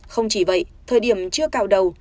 không chỉ vậy thời điểm chưa cào đầu